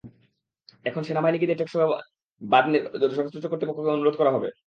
এখন সেনাবাহিনীকে দিয়ে টেকসই বাঁধ নির্মাণের জন্য সংশ্লিষ্ট কর্তৃপক্ষকে অনুরোধ করা হবে।